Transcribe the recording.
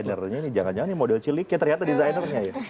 ini designernya ini jangan jangan model ciliknya ternyata designernya ya